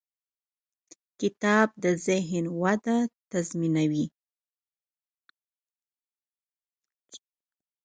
کتاب د ذهن وده تضمینوي.